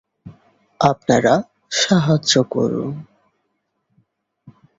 আপনারা সাহায্য করুন।